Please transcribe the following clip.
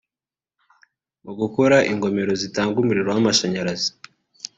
Mu gukora ingomero zitanga umuriro w’amashanyarazi